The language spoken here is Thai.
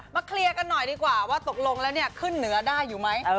เคลียร์กันหน่อยดีกว่าว่าตกลงแล้วเนี่ยขึ้นเหนือได้อยู่ไหม